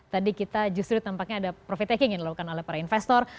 tadi kita justru tampaknya ada profit taking yang dilakukan oleh para investor